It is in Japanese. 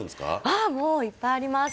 ああもういっぱいあります。